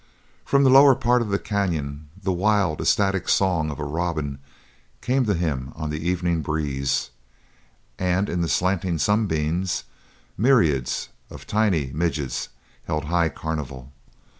From the lower part of the canyon, the wild, ecstatic song of a robin came to him on the evening breeze, and in the slanting sunbeams myriads of tiny midges held high carnival.